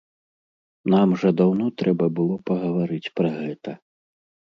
Нам жа даўно трэба было пагаварыць пра гэта.